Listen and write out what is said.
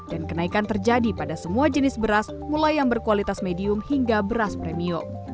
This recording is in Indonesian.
dan kenaikan terjadi pada semua jenis beras mulai yang berkualitas medium hingga beras premium